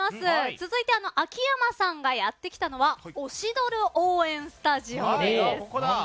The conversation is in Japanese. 続いて秋山さんがやって来たのは推しドル応援スタジオです。